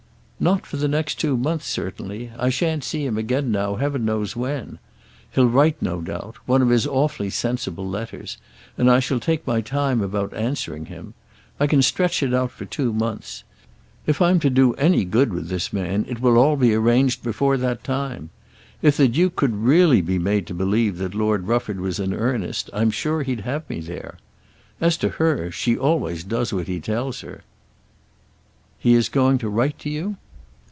"Not for the next two months certainly. I shan't see him again now heaven knows when. He'll write no doubt, one of his awfully sensible letters, and I shall take my time about answering him. I can stretch it out for two months. If I'm to do any good with this man it will be all arranged before that time. If the Duke could really be made to believe that Lord Rufford was in earnest I'm sure he'd have me there. As to her, she always does what he tells her." "He is going to write to you?"